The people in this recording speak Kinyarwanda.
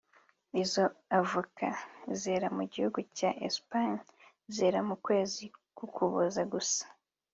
Izo avoka zera mu gihugu cya Espanye (Spain) zera mu Kwezi k’Ukuboza gusa